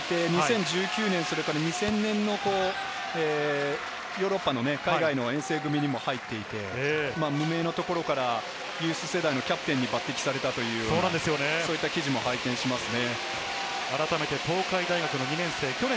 Ｕ−１６などでも活動していて、２０１９年、２０００年のヨーロッパの遠征組にも入っていて、無名のところからユース世代のキャプテンに抜てきされたという記事も拝見しますね。